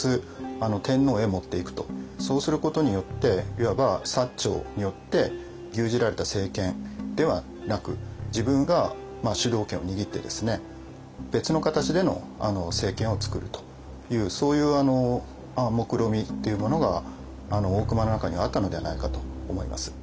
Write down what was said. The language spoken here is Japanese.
そうすることによっていわば長によって牛耳られた政権ではなく自分が主導権を握って別の形での政権をつくるというそういうもくろみっていうものが大隈の中にはあったのではないかと思います。